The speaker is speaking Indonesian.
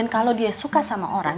kalau dia suka sama orang